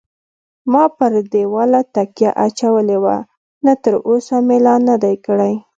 ما پر دېواله تکیه اچولې وه، نه تراوسه مې لا نه دی کړی.